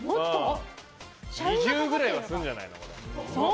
２０ぐらいはするんじゃないの？